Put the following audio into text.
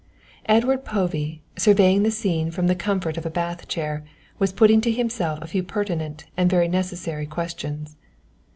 Edward Povey, surveying the scene from the comfort of a bath chair, was putting to himself a few pertinent and very necessary questions.